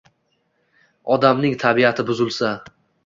Odamning tabiati buzilsa